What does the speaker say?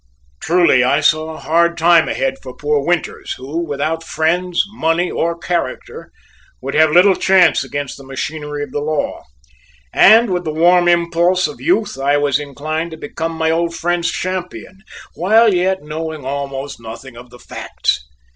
Truly I saw a hard time ahead for poor Winters, who, without friends, money, or character, would have little chance against the machinery of the law; and with the warm impulse of youth I was inclined to become my old friend's champion while yet knowing almost nothing of the facts.